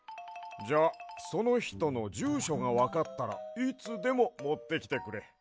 じゃあそのひとのじゅうしょがわかったらいつでももってきてくれ。